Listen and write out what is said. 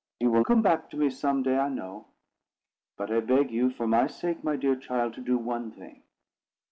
You will come back to me some day, I know. But I beg you, for my sake, my dear child, to do one thing.